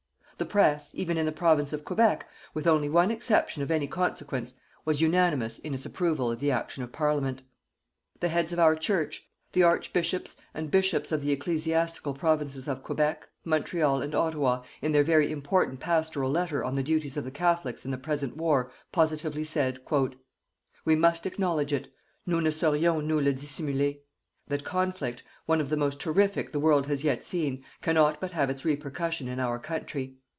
The press, even in the Province of Quebec, with only one exception of any consequence, was unanimous in its approval of the action of Parliament. The heads of our Church, the Archbishops and Bishops of the Ecclesiastical Provinces of Quebec, Montreal and Ottawa, in their very important Pastoral Letter on the duties of the Catholics in the present war, positively said: "_We must acknowledge it (nous ne saurions nous le dissimuler ): that conflict, one of the most terrific the world has yet seen, cannot but have its repercussion in our country.